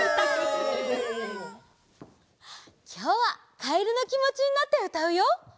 きょうはカエルのきもちになってうたうよ。